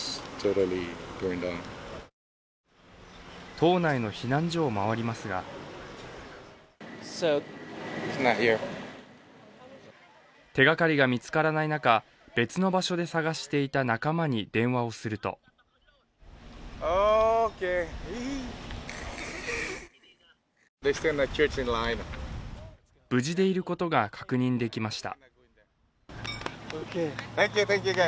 島内の避難所を回りますが手がかりが見つからない中、別の場所で捜していた仲間に電話をすると無事でいることが確認できました。